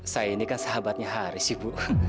saya ini kan sahabatnya haris ibu